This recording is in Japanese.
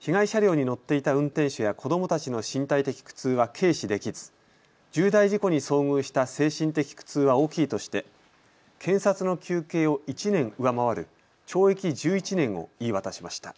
被害車両に乗っていた運転手や子どもたちの身体的苦痛は軽視できず重大事故に遭遇した精神的苦痛は大きいとして検察の求刑を１年上回る懲役１１年を言い渡しました。